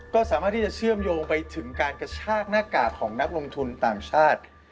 ก็สามารถที่จะเชื่อมโยงไปถึงการกระชากหน้ากากของนักลงทุนต่างชาติ